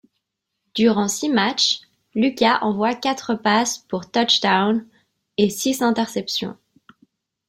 Durant six matchs, Lucas envoie quatre passe pour touchdown et six interceptions.